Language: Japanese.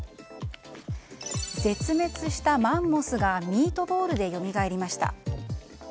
絶滅したマンモスがミートボールでよみがえりました。